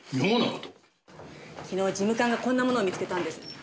昨日事務官がこんなものを見つけたんです。